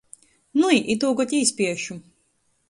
Nui, itūgod īspiešu.